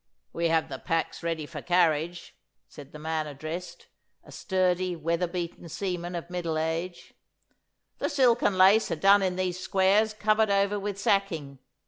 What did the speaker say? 'We have the packs ready for carriage,' said the man addressed, a sturdy, weather beaten seaman of middle age. 'The silk and lace are done in these squares covered over with sacking.